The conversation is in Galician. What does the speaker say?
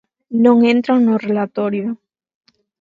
Non entran no relatorio.